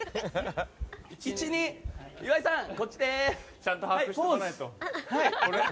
ちゃんと把握しておかないと。